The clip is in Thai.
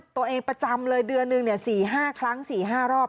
ประจำเลยเดือนหนึ่ง๔๕ครั้ง๔๕รอบ